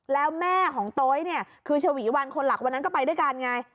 แล้วแม่ของโต๊ยเนี่ยคือชวีวันคนหลักวันนั้นก็ไปด้วยกันไง